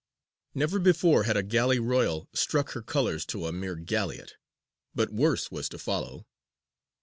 Never before had a galley royal struck her colours to a mere galleot. But worse was to follow.